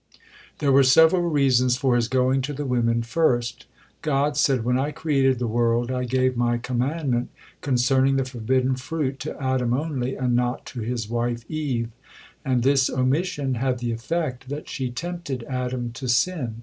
There were several reasons for his going to the women first. God said: "When I created the world, I gave My commandment concerning the forbidden fruit to Adam only, and not to his wife Eve, and this omission had the effect that she tempted Adam to sin.